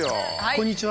こんにちは。